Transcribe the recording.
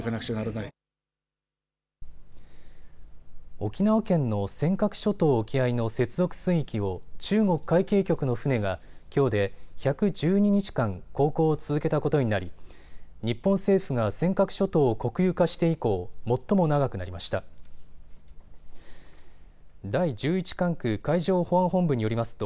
沖縄県の尖閣諸島沖合の接続水域を中国海警局の船がきょうで１１２日間、航行を続けたことになり日本政府が尖閣諸島を国有化して以降、最も長くなりました。